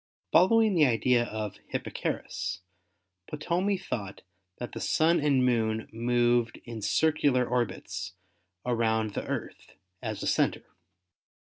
Following the idea of Hipparchus, Ptolemy thought that the Sun and Moon moved in circular orbits around the Earth as a center.